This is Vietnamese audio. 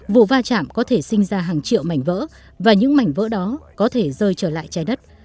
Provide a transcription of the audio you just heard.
vụ va chạm có thể sinh ra hàng triệu mảnh vỡ và những mảnh vỡ đó có thể rơi trở lại trái đất